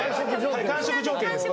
完食条件です。